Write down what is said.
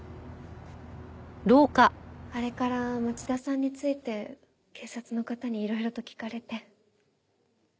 あれから町田さんについて警察の方にいろいろと聞かれて。